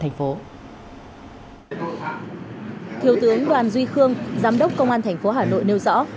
thiếu tướng đoàn duy khương giám đốc công an tp hà nội nêu rõ